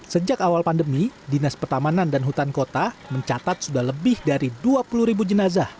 sejak awal pandemi dinas pertamanan dan hutan kota mencatat sudah lebih dari dua puluh ribu jenazah